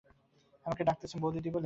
আমাকে ডাকতেন বউদিদি বলে।